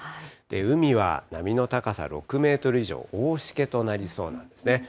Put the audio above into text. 海は波の高さ６メートル以上、大しけとなりそうなんですね。